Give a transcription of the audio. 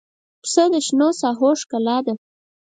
پسه د شنو ساحو ښکلا ده.